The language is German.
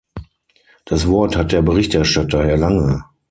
Das Wort hat der Berichterstatter, Herr Lange.